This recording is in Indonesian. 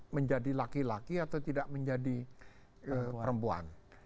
menjadi laki laki atau tidak menjadi perempuan